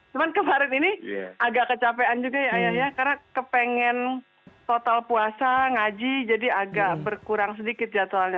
cuman kemarin ini agak kecapean juga ya ayah ya karena kepengen total puasa ngaji jadi agak berkurang sedikit jadwalnya